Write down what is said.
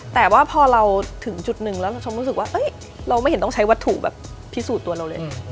แต่ว่าพอเราถึงจุดหนึ่งแล้วเราชมรู้สึกว่าเราไม่เห็นต้องใช้วัตถุแบบพิสูจน์ตัวเราเลย